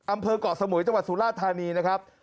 อำเภอกเกาะสมุยจังหวัดสุราธานีนะครับ